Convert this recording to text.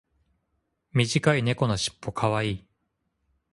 短い猫のしっぽ可愛い。